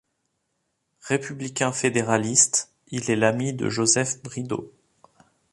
Républicain fédéraliste, il est l'ami de Joseph Bridau.